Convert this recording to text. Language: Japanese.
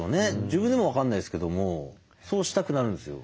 自分でも分かんないですけどもそうしたくなるんですよ。